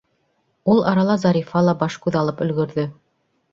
Ул арала Зарифа ла баш-күҙ алып өлгөрҙө.